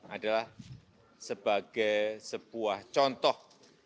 adalah sebagai sebuah contoh